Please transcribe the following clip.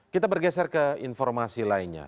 kita bergeser ke informasi lainnya